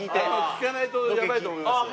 聞かないとやばいと思いますよ。